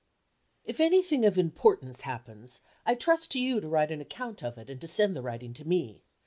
"If anything of importance happens, I trust to you to write an account of it, and to send the writing to me.